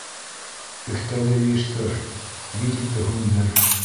Өҫтәлде йыйыштыр, видикты һүндер!